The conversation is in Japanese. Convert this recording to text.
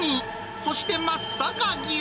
そして松阪牛。